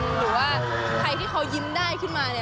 หรือว่าใครที่เขายิ้มได้ขึ้นมาเนี่ย